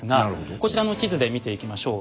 こちらの地図で見ていきましょう。